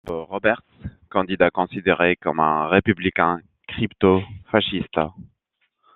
Bob Roberts candidat considéré comme un républicain crypto-fasciste.